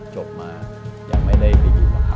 จบมายังไม่ได้ไปบินหรอกครับ